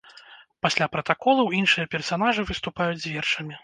Пасля пратаколаў іншыя персанажы выступаюць з вершамі.